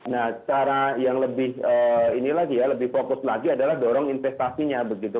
nah cara yang lebih ini lagi ya lebih fokus lagi adalah dorong investasinya begitu